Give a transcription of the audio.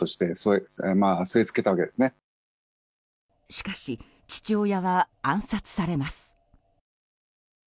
しかし父親は暗殺されます。